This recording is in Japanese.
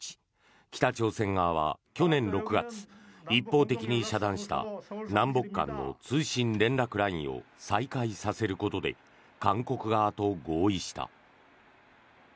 北朝鮮側は去年６月、一方的に遮断した南北間の通信連絡ラインを再開させることで韓国側と合意した。